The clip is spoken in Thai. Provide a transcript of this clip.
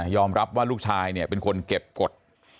ว่าลูกชายเป็นคนเก็บกฎ